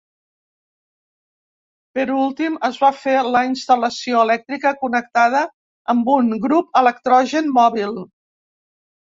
Per últim es va fer la instal·lació elèctrica connectada amb un grup electrogen mòbil.